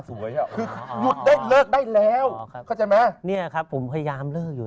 คือหยุดได้เลิกได้แล้วเข้าใจไหมเนี่ยครับผมพยายามเลิกอยู่